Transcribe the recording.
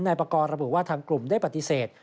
ประกอบระบุว่าทางกลุ่มได้ปฏิเสธ